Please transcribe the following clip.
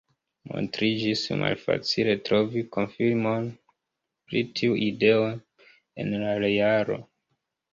Montriĝis malfacile trovi konfirmon pri tiu ideo en la realo.